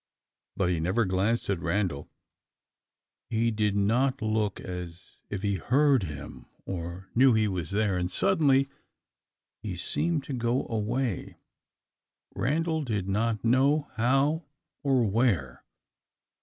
but he never glanced at Randal. He did not look as if he heard him, or knew he was there, and suddenly he seemed to go away, Randal did not know how or where.